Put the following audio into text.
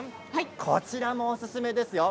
こちらもおすすめですよ。